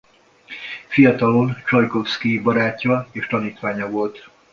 Fiatalon Csajkovszkij barátja és tanítványa volt.